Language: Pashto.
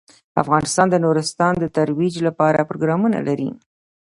افغانستان د نورستان د ترویج لپاره پروګرامونه لري.